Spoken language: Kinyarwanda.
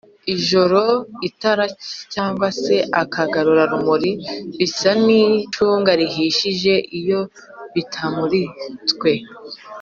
nijoro itara cg se akagarurarumuri bisa n’icunga rihishije iyo bitamuritwe